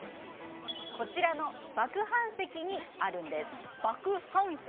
こちらの麦飯石にあるんです麦飯石？